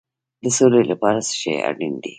د سولې لپاره څه شی اړین دی؟